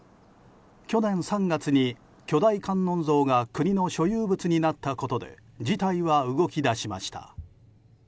去年３月に巨大観音像が国の所有物になったことで事態は動き出しました。